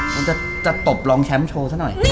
มันจะตบรองแชมป์โชว์ซะหน่อย